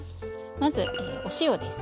まずお塩です。